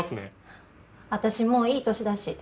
私もういい年だし。